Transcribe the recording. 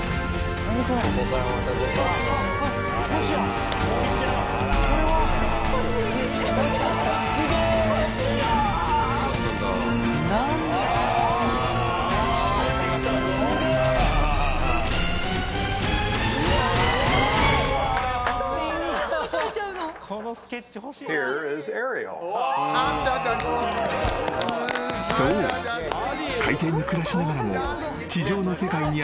海底に暮らしながらも地上の世界に憧れる人魚姫］